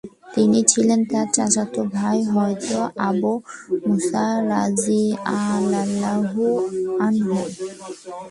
তিনি ছিলেন তাঁর চাচাত ভাই হযরত আবু মুসা রাযিয়াল্লাহু আনহু।